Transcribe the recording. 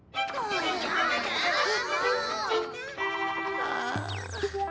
ああ。